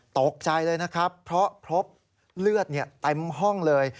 ตกใจเลยนะครับเพราะพบเลือดเต็มห้องเลย